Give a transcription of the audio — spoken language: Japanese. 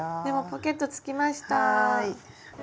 でもポケットつきました！